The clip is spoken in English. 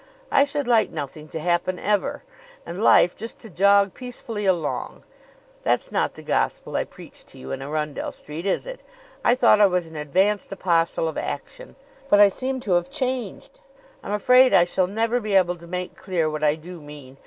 I should like nothing to happen ever, and life just to jog peacefully along. That's not the gospel I preached to you in Arundell Street, is it! I thought I was an advanced apostle of action; but I seem to have changed. I'm afraid I shall never be able to make clear what I do mean.